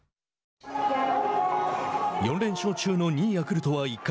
４連勝中の２位ヤクルトは１回。